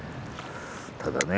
ただね